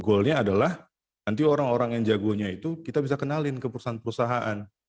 goalnya adalah nanti orang orang yang jagonya itu kita bisa kenalin ke perusahaan perusahaan